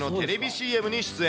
ＣＭに出演。